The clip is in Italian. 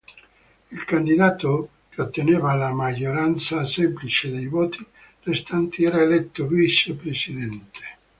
Il candidato che otteneva la maggioranza semplice dei voti restanti era eletto vicepresidente.